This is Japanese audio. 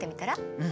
うん。